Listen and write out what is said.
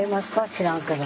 知らんけど。